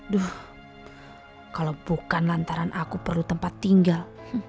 duh kalau bukan lantaran aku perlu tempat tinggal